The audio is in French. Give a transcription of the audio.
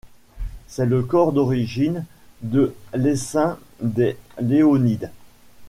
C'est le corps d'origine de l'essaim des Léonides.